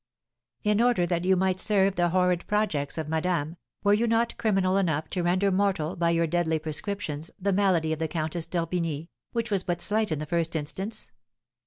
"'In order that you might serve the horrid projects of madame, were you not criminal enough to render mortal, by your deadly prescriptions, the malady of the Countess d'Orbigny, which was but slight in the first instance?'